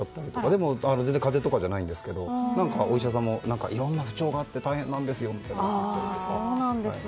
でも全然風邪とかじゃないんですけどお医者さんもいろいろな不調があって大変なんですよって。